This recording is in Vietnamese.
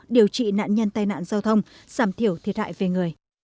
điều trị nạn nhân tai nạn giao thông giảm thiểu thiệt hại về người